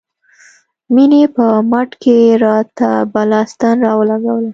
مينې په مټ کښې راته بله ستن راولګوله.